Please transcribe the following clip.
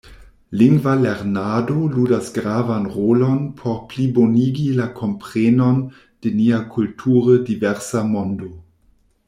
Lingva lernado ludas gravan rolon por plibonigi la komprenon de nia kulture diversa mondo.